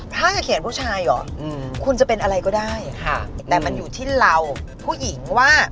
ถ้าจะเขียนผู้ชายหรอคุณจะเป็นอะไรก็ได้ค่ะแต่มันอยู่ที่เราผู้หญิงว่า